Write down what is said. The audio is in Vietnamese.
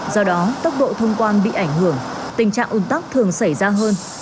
do đó tốc độ thông quan bị ảnh hưởng tình trạng ủn tắc thường xảy ra hơn